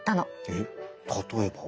えっ例えば？